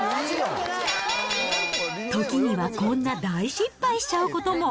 ときにはこんな大失敗しちゃうことも。